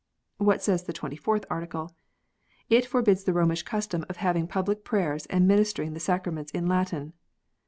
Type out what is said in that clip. Wliat says the Twenty fourth Article? It forbids the Romish custom of having public prayers and ministering the Sacraments in Latin.